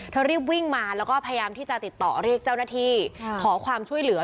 รีบวิ่งมาแล้วก็พยายามที่จะติดต่อเรียกเจ้าหน้าที่ขอความช่วยเหลือ